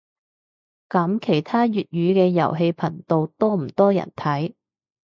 噉其他粵語嘅遊戲頻道多唔多人睇